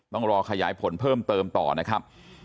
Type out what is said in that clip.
ต้องรอขยายผลเพิ่มเติมต่อนะครับ